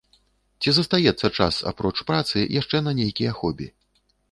Ці застаецца час, апроч працы, яшчэ на нейкія хобі?